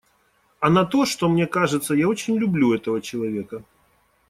А на то, что, мне кажется, я очень люблю этого человека.